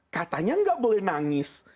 katanya enggak boleh nangis